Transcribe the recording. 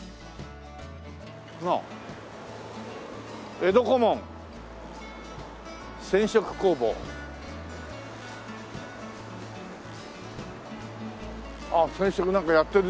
「江戸小紋染色工房」あっ染色なんかやってるね。